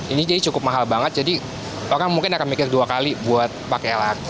ini jadi cukup mahal banget jadi orang mungkin akan mikir dua kali buat pakai lrt